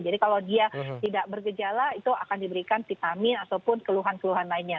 jadi kalau dia tidak bergejala itu akan diberikan vitamin ataupun keluhan keluhan lainnya